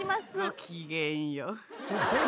ごきげんよう。